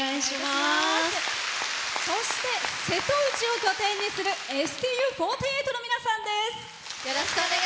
そして、瀬戸内を拠点とするＳＴＵ４８の皆さんです。